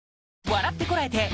『笑ってコラえて！』